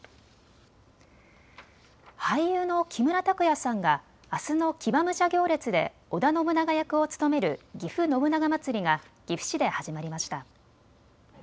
俳優の木村拓哉さんがあすの騎馬武者行列で織田信長役を務めるぎふ信長まつりが岐阜市で始まりました。